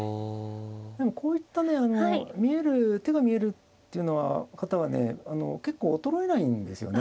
でもこういったね手が見えるっていう方はね結構衰えないんですよね。